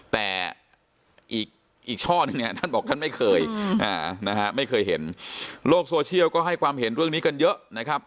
แต่อีกช่อนี้ท่านบอกท่านไม่เคยเห็นโลกโซเชียลก็ให้ความเห็นเรื่องนี้กันเยอะนะครับ